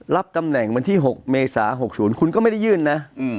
รับตำแหน่งวันที่๖เมษา๖๐คุณก็ไม่ได้ยื่นนะ